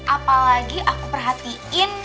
apalagi aku perhatiin